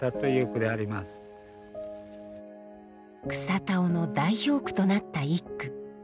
草田男の代表句となった一句。